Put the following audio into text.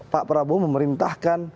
pak prabowo memerintahkan